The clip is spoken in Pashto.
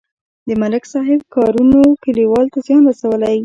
د ملک صاحب کارونو کلیوالو ته زیان رسولی.